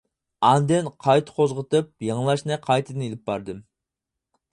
ئاندىن قايتا قوزغىتىپ، يېڭىلاشنى قايتىدىن ئېلىپ باردىم.